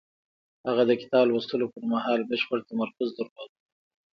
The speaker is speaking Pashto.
هغه د کتاب لوستلو پر مهال بشپړ تمرکز درلود.